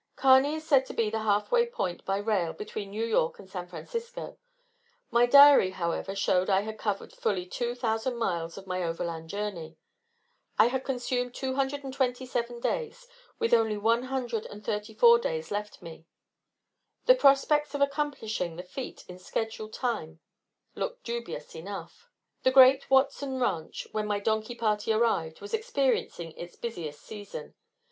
Kearney is said to be the half way point, by rail, between New York and San Francisco. My diary, however, showed I had covered fully two thousand miles of my overland journey; I had consumed 227 days, with only one hundred and thirty four days left me, the prospects of accomplishing the "feat" in schedule time looked dubious enough. The great Watson Ranch, when my donkey party arrived, was experiencing its busiest season.